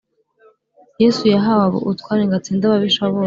Yesu yahawe ubutware ngo atsinde ababisha bose